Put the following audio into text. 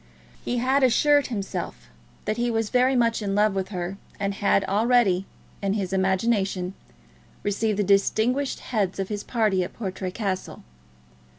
He had assured himself that he was very much in love with her, and had already, in his imagination, received the distinguished heads of his party at Portray Castle.